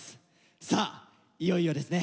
さあいよいよですね